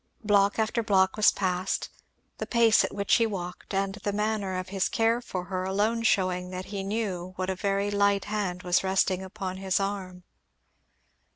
Block after block was passed, the pace at which he walked, and the manner of his care for her, alone shewing that he knew what a very light hand was resting upon his arm.